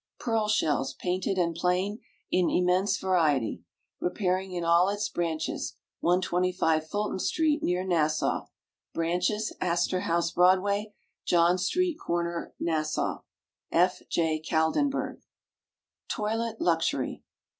PEARL SHELLS, painted and plain, in immense variety. Repairing in all its branches. 125 FULTON ST., near Nassau. Branches { Astor House, Broadway. { John St., cor. Nassau F. J. KALDENBERG. TOILET LUXURY.